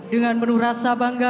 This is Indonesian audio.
dengan penuh rasa bangga